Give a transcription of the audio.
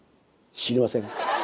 知りません。